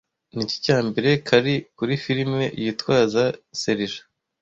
Niki Cyambere Carry Kuri film Yitwaza Serija